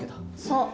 そう。